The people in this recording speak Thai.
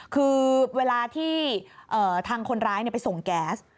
คือเวลาที่ทางคนร้ายไปส่งแก๊ส